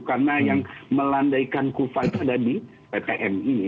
karena yang melandaikan kufah itu ada di ptm ini